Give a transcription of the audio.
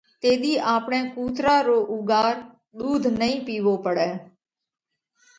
تيۮِي آپڻئہ ڪُوترا رو اُوڳار ۮُوڌ نئين پِيوو پڙئہ۔